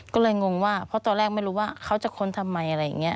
ก็เลยงงว่าเพราะตอนแรกไม่รู้ว่าเขาจะค้นทำไมอะไรอย่างนี้